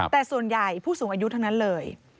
แต่ส่วนใหญ่ผู้สูงอายุทั้งนั้นเลย